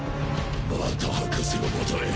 また博士の元へ？